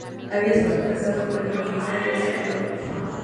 Había estado casado con la guionista Josephine Lovett.